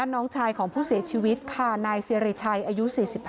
น้องชายของผู้เสียชีวิตค่ะนายสิริชัยอายุ๔๕